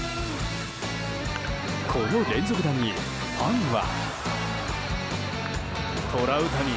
この連続弾にファンは。